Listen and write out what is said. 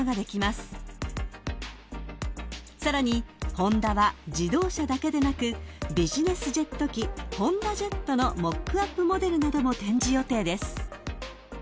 ［さらにホンダは自動車だけでなくビジネスジェット機ＨｏｎｄａＪｅｔのモックアップモデルなども展示予定です］